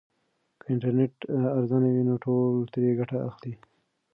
که انټرنیټ ارزانه وي نو ټول ترې ګټه اخلي.